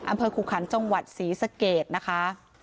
อำเภอคุขันจังหวัดศรีสะเกดนะคะ